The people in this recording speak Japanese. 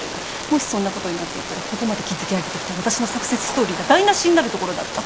もしそんなことになっていたらここまで築き上げてきた私のサクセスストーリーが台無しになるところだった。